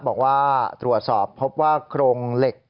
บอกว่าตรวจสอบพบว่าโครงเหล็ก